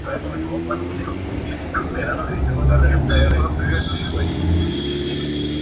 La torre interior alberga varios pisos de habitación cubiertos con bóveda de arista.